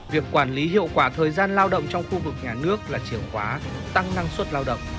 việc quản lý hiệu quả thời gian lao động trong khu vực nhà nước là chìa khóa tăng năng suất lao động